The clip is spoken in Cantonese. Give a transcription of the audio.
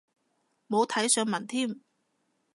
冇睇上文添